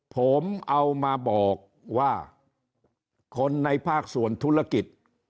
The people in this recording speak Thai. ผมเอามาบอกว่าคนในภาคส่วนธุรกิจ